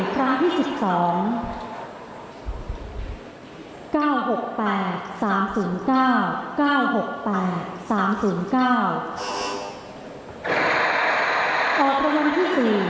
อพที่๔ครั้งที่๑๑